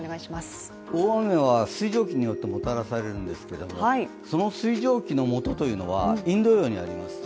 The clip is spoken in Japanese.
大雨は水蒸気によってもたらされるんですけどその水蒸気のもとというのはインド洋にあります。